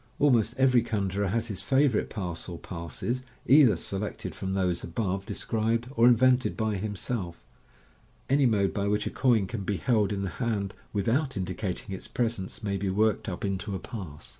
Almost every conjuror has his favourite pass or passes, either selected from those above de Any mode by which a coin can be held in the hand without indicating its presence may be worktd up into a pass.